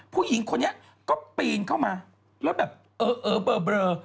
ผู้หญิงคนนี้ก็ปีนเข้ามาแล้วแบบเออเบลอ